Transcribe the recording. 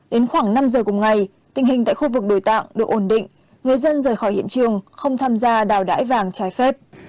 đến khoảng năm giờ cùng ngày tình hình tại khu vực đồi tạng được ổn định người dân rời khỏi hiện trường không tham gia đào đải vàng trái phép